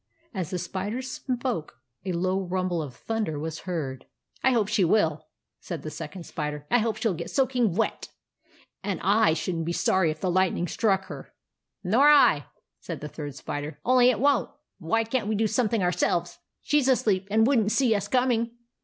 As the spiders spoke, a low rumble of thunder was heard. 104 THE ADVENTURES OF MABEL " I hope she will," said the Second Spider, " I hope she 11 get soaking wet. And / shouldn't be sorry if the lightning struck her." " Nor I," said the Third Spider, " only it won't. But why can't we do something ourselves. She 's asleep and would n't see us coming.